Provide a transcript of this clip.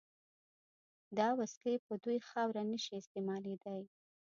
دا وسلې په دوی خاوره نشي استعمالېدای.